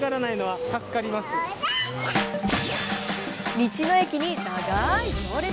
道の駅に長い行列。